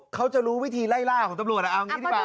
เขาจะรู้วิธีไล่ล่าของตำรวจเอางี้ดีกว่า